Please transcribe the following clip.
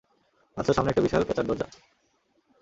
আচ্ছা, সামনে একটা বিশাল পেঁচার দরজা।